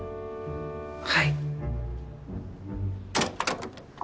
はい。